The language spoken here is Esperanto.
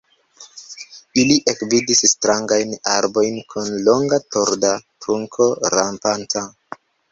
Ili ekvidis strangajn arbojn kun longa torda trunko rampanta.